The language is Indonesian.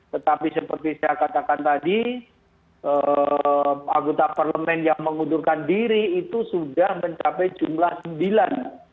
tetapi seperti saya katakan tadi anggota parlemen yang mengundurkan diri itu sudah mencapai jumlah sembilan